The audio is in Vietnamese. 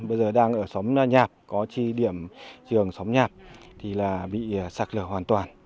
bây giờ đang ở xóm nhạp có chi điểm trường xóm nhạp thì là bị sạc lở hoàn toàn